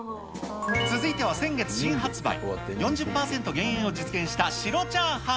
続いては先月新発売、４０％減塩を実現した白チャーハン。